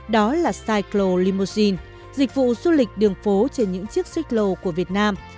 đó là cyclo limousine dịch vụ du lịch đường phố trên những chiếc xích lô của việt nam